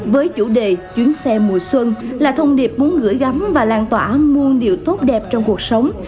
với chủ đề chuyến xe mùa xuân là thông điệp muốn gửi gắm và lan tỏa muôn điệu tốt đẹp trong cuộc sống